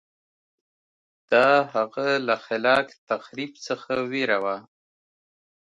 دا هغه له خلاق تخریب څخه وېره وه